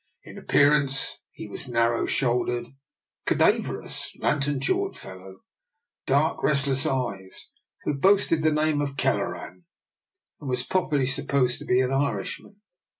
In appearance he DR. NIKOLA'S EXPERIMENT. 3 was a narrow shouldered, cadaverous, lantern jawed fellow, with dark, restless eyes, who boasted the name of Kelleran, and was popu larly supposed to be an Irishman.